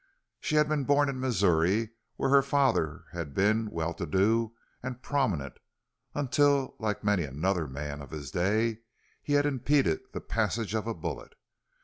She had been born in Missouri, where her father had been well to do and prominent, until, like many another man of his day, he had impeded the passage of a bullet.